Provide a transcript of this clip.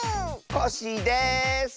コッシーです！